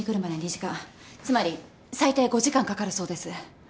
つまり最低５時間かかるそうです。